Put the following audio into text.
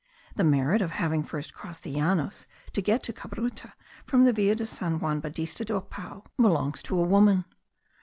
The merit of having first crossed the Llanos to go to Cabruta from the Villa de San Juan Baptista del Pao belongs to a woman.